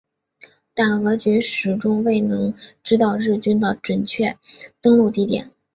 但俄军始终未能知道日军的准确登陆地点。